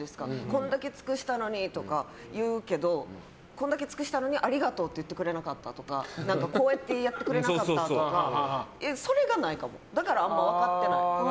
これだけ尽くしたのにとか言うけどこんだけ尽くしたのにありがとうって言ってくれなかったとかこうやってやってくれなかったとかそれがないかも。